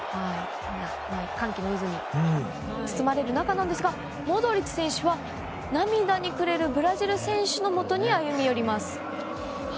歓喜の渦に包まれる中なんですがモドリッチ選手は涙に暮れるブラジル選手のもとに歩み寄ります。